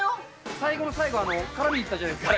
最後の最後、絡みに行ったじゃないですか。